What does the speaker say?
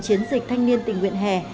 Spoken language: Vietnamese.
chiến dịch thanh niên tình nguyện hè